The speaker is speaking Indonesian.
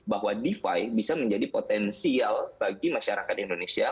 bahwa defi bisa menjadi potensial bagi masyarakat indonesia